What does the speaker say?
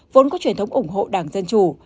vốn có truyền thống ủng hộ đảng dân chủ